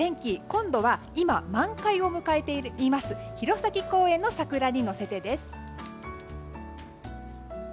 今度は今、満開を迎えている弘前公園の桜に乗せてです。